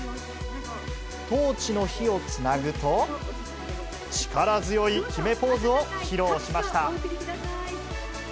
トーチの火をつなぐと、力強い決めポーズを披露しました。